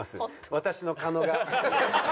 私の狩野が。